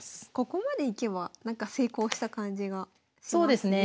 ここまでいけばなんか成功した感じがしますね。